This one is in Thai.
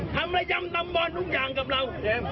ทำอะไรยำตำบอนทุกอย่างกับเรา